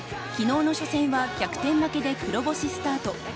昨日の初戦は逆転負けで黒星スタート。